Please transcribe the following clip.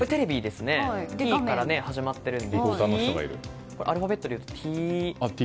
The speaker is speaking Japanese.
で、Ｔから始まっているのでアルファベットでいうと。